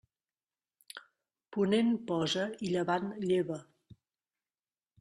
Ponent posa i llevant lleva.